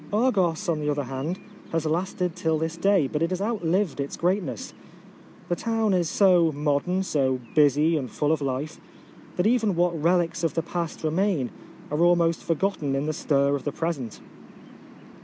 Argos, on the other hand, has lasted till this day, but it has outlived its great ness. The town is so modern, so busy and full of life, that even what few relics of the past re main are almost forgotten in the stir of the present.